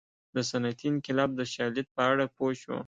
د صنعتي انقلاب د شالید په اړه پوه شو.